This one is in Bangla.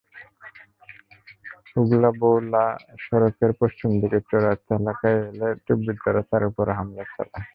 হুগলা-বৌলা সড়কের পশ্চিম দিকের চৌরাস্তা এলাকায় এলে দুর্বৃত্তরা তাঁর ওপর হামলা চালায়।